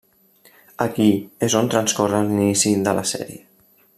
Aquí és on transcorre l'inici de la sèrie.